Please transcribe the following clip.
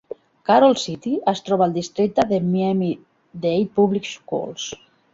Carol City es troba al districte de Miami-Dade Public Schools.